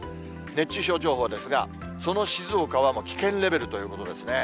熱中症情報ですが、その静岡はもう危険レベルということですね。